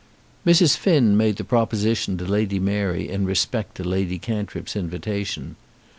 Mrs. Finn made the proposition to Lady Mary in respect to Lady Cantrip's invitation.